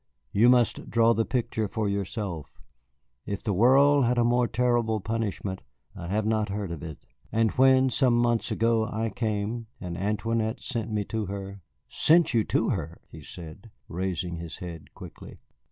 You must draw the picture for yourself. If the world has a more terrible punishment, I have not heard of it. And when, some months ago, I came, and Antoinette sent me to her " "Sent you to her!" he said, raising his head quickly.